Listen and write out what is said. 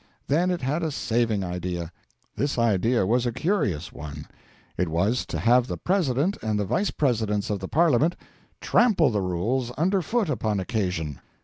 Then it had a saving idea. This idea was a curious one. It was to have the President and the Vice Presidents of the Parliament trample the Rules under foot upon occasion!